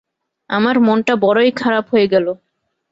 আমার মনটা বড়ই খারাপ হয়ে গেল।